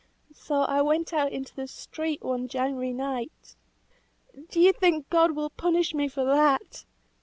So I went out into the street, one January night Do you think God will punish me for that?"